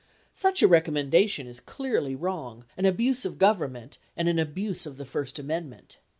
64 Such a recommendation is clearly wrong, an abuse of Gov ernment, and an abuse of the first amendment.